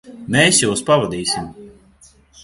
Mēs jūs pavadīsim.